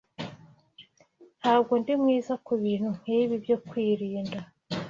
Ntabwo ndi mwiza kubintu nkibi byo kwirinda